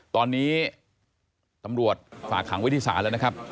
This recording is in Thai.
ตอนนี้ตำรวจฝากขังวิทยาศาสตร์แล้วนะครับ